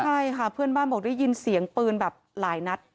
ใช่ค่ะเพื่อนบ้านบอกได้ยินเสียงปืนแบบหลายนัด